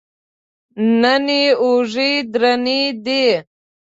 نن یې اوږې درنې دي.